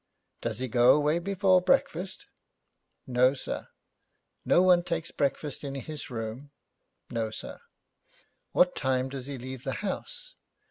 'Does he go away before breakfast?' 'No, sir.' 'No one takes breakfast to his room?' 'No, sir.' 'What time does he leave the house?'